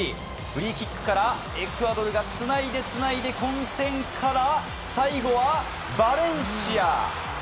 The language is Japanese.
フリーキックからエクアドルがつないで、つないで混戦から、最後はバレンシア！